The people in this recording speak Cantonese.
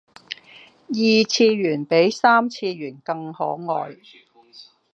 二次元比三次元更可愛